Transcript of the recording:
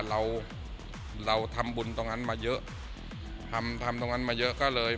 เราเราทำบุญตรงนั้นมาเยอะทำทำตรงนั้นมาเยอะก็เลย